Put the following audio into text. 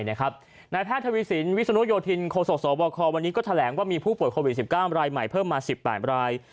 นายแพทย์ทวีสินวิศนุโยธินโคศกสบควันนี้ก็แถลงว่ามีผู้ป่วยโควิด๑๙รายใหม่เพิ่มมา๑๘ราย